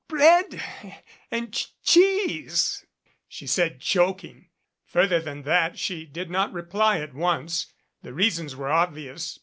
"Or their b bread and ch cheese !" she said, choking. Further than that she did not reply at once. The reasons were obvious.